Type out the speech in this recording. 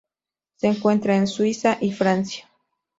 Se encuentra en Suiza y Francia.